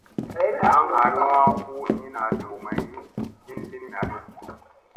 Aŋ han huwa ko tami naa tew mayni hin li ni na dow.